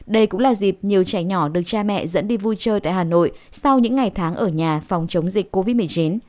đây cũng là dịp nhiều trẻ nhỏ được cha mẹ dẫn đi vui chơi tại hà nội sau những ngày tháng ở nhà phòng chống dịch covid một mươi chín